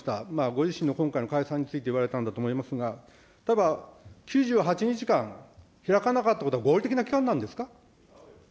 ご自身の今回の解散について言われたのだと思いますが、ただ９８日間ひらかなかったことは合理的な期間なんですか。